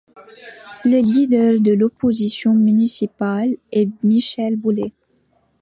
Le leader de l'opposition municipale est Michel Boulet.